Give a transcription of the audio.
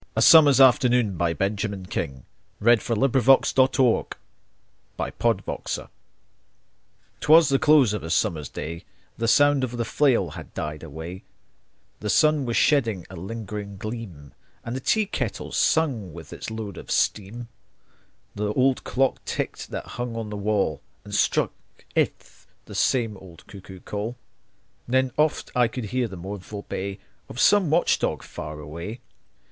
Fed the Fishes→ 124600Ben King's Verse — A Summer's AfternoonBenjamin Franklin King 'Twas the close of a summer's day, The sound of the flail had died away, The sun was shedding a lingering gleam, And the teakettle sung with its load of steam. The old clock ticked that hung on the wall And struck 'th the same old cuckoo call; Then oft I could hear the mournful bay Of some watch dog far away.